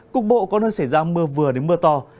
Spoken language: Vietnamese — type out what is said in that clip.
cục bộ có nơi xảy ra mưa vừa đến mưa to